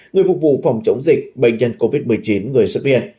người phục vụ phòng chống dịch bệnh nhân covid một mươi chín người xuất viện